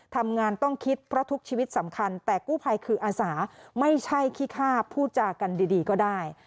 ทำงานต้องคิดเพราะทุกชีวิตสำคัญแต่กู้ภัยคืออาสาไม่ใช่ขี้ฆ่าพูดจากันดีก็ได้